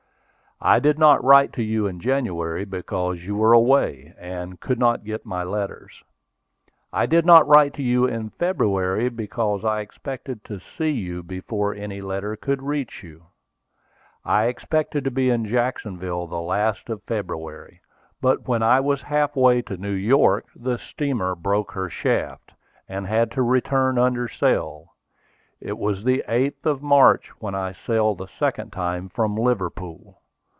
"I did not write to you in January because you were away, and could not get my letters. I did not write to you in February, because I expected to see you before any letter could reach you. I expected to be in Jacksonville the last of February; but when I was half way to New York the steamer broke her shaft, and had to return under sail. It was the 8th of March when I sailed the second time from Liverpool.